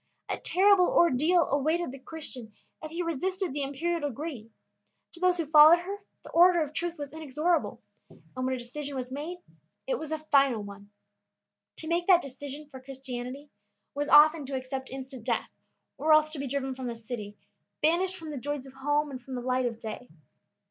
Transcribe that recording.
A terrible ordeal awaited the Christian if he resisted the imperial decree; to those who followed her, the order of Truth was inexorable; and when a decision was made, it was a final one. To make that decision for Christianity was often to accept instant death, or else to be driven from the city, banished from the joys of home and from the light of day.